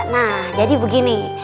nah jadi begini